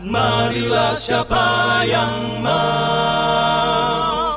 marilah siapa yang mau